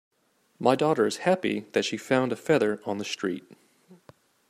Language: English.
My daughter is happy that she found a feather on the street.